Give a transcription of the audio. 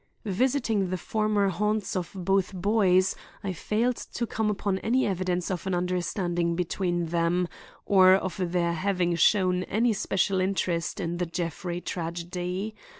Visiting the former haunts of both boys, I failed to come upon any evidence of an understanding between them, or of their having shown any special interest in the Jeffrey tragedy.